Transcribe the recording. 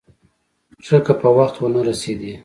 ښه که په وخت ونه رسېدې.